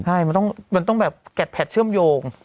ใช่มันต้องแบบแกดแพทเชื่อมโยง